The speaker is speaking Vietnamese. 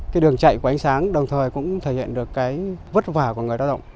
cái đường chạy của ánh sáng đồng thời cũng thể hiện được cái vất vả của người lao động